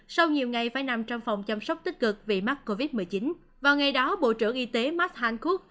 sau nhiều ngày phải nằm trong phòng chăm sóc tích cực vì mắc covid một mươi chín vào ngày đó bộ trưởng y tế makhankov